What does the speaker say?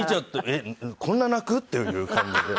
えっこんな泣く？っていう感じで。